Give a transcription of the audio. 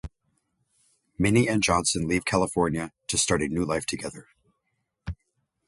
Minnie and Johnson leave California to start a new life together.